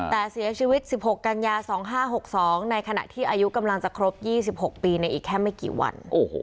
แต่เสียชีวิต๑๖กันยา๒๕๖๒ในขณะที่อายุกำลังจะครบ๒๖ปีในอีกแค่ไม่กี่วัน